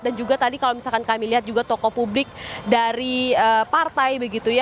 dan juga tadi kalau misalkan kami lihat juga tokoh publik dari partai